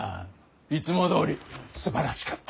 いつもどおりすばらしかった！